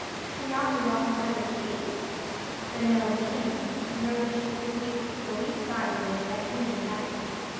She knocked a long time at the gates; but no one came, nor could she perceive the least sign that it had any inhabitant.